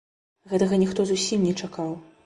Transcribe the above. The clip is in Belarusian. Гэтага ніхто зусім не чакаў.